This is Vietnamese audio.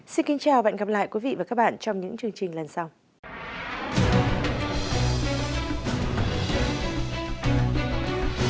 xin kính chào và hẹn gặp lại quý vị và các bạn trong những chương trình lần sau